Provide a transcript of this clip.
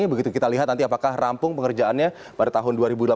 begitu kita lihat nanti apakah rampung pengerjaannya pada tahun dua ribu delapan belas